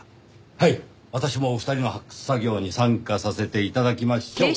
はい私も２人の発掘作業に参加させて頂きましょう！